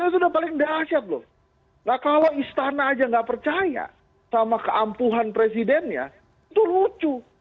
sudah paling dahsyat loh nah kalau istana aja nggak percaya sama keampuhan presidennya itu lucu